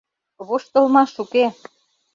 Воштылмаш уке.